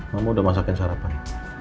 mama udah masakin sarapan